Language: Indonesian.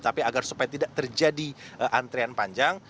tapi agar supaya tidak terjadi antrian panjang